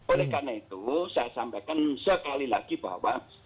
oleh karena itu saya sampaikan sekali lagi bahwa